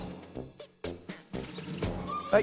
はい